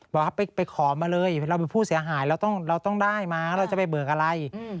บอกว่าไปขอมาเลยเราเป็นผู้เสียหายเราต้องได้มาเราจะไปเบิกอะไร